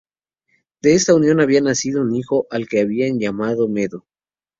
De esta unión había nacido un hijo al que habían llamado Medo.